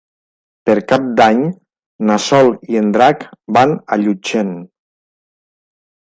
Per Cap d'Any na Sol i en Drac van a Llutxent.